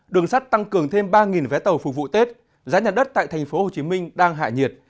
đường sắt tăng cường thêm ba vé tàu phục vụ tết giá nhà đất tại tp hcm đang hạ nhiệt